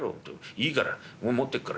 いいから俺持ってっから。